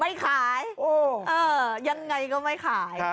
ไม่ขายยังไงก็ไม่ขาย